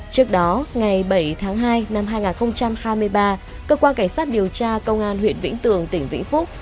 trước đó ngày bảy tháng hai năm hai nghìn hai mươi ba cơ quan cảnh sát điều tra công an huyện vĩnh tường tỉnh vĩnh phúc